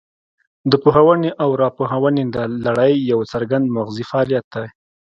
د پوهونې او راپوهونې لړۍ یو څرګند مغزي فعالیت دی